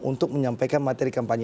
untuk menyampaikan materi kampanye